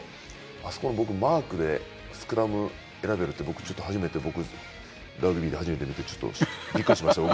あそこ、僕はマークでスクラム選べるってラグビーで初めて見てびっくりしました。